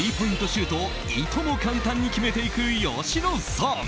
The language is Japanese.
シュートをいとも簡単に決めていく吉野さん。